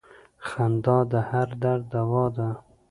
• خندا د هر درد دوا ده.